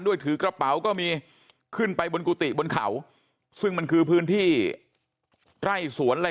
ถือกระเป๋าก็มีขึ้นไปบนกุฏิบนเขาซึ่งมันคือพื้นที่ไร่สวนอะไร